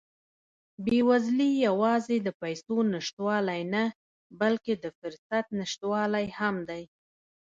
بېوزلي یوازې د پیسو نشتوالی نه، بلکې د فرصت نشتوالی هم دی.